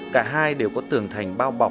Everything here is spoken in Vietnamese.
cả hai đều có tường thành bao bọc